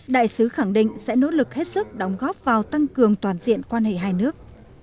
đại sứ khẳng định sẽ nỗ lực hết sức đóng góp vào tăng cường toàn diện quan hệ hai nước